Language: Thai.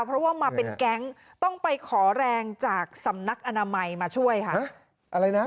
เพราะว่ามาเป็นแก๊งต้องไปขอแรงจากสำนักอนามัยมาช่วยค่ะอะไรนะ